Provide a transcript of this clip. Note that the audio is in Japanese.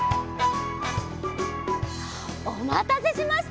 おまたせしました。